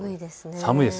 寒いです。